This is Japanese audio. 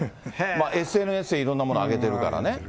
ＳＮＳにいろんなものをあげてるからね。